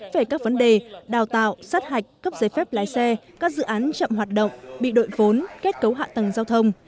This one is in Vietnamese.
về các vấn đề đào tạo sát hạch cấp giấy phép lái xe các dự án chậm hoạt động bị đội vốn kết cấu hạ tầng giao thông